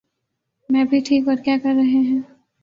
میں بھی ٹھیک۔ اور کیا کر رہے ہیں؟